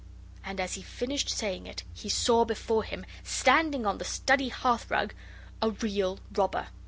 And, as he finished saying it, he saw before him, standing on the study hearthrug, a Real Robber.